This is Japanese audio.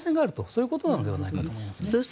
そういことなのではないかなと思います。